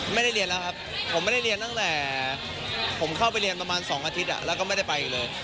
ไม่ได้เรียนแล้วครับผมไม่ได้เรียนตั้งแต่ผมเข้าไปเรียนประมาณ๒อาทิตย์แล้วก็ไม่ได้ไปอีกเลย